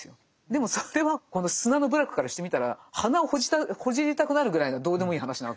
でもそれはこの砂の部落からしてみたら鼻をほじりたくなるぐらいのどうでもいい話なわけですよ。